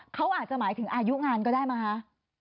เขาอาจจะหมายถึงอายุงานได้เลยมา